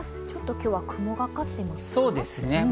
ちょっと今日は雲がかってますね。